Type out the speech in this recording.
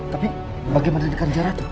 tapi bagaimana dengan kan jem keratu